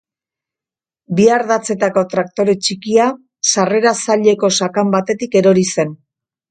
Bi ardatzetako traktore txikia sarrera zaileko sakan batetik erori zen.